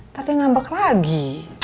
ntar dia ngambek lagi